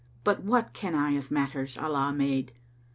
But what ken I of matters Allah made?